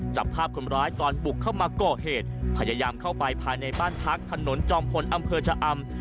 จับภาพคนร้ายตอนบุกเข้ามาก่อเหตุพยายามเข้าไปภายในบ้านพักถนนจอมพลอำเภอชะอำ